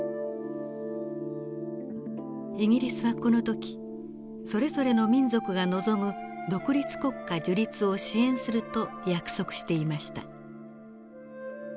イギリスはこの時それぞれの民族が望む独立国家樹立を支援すると約束していました。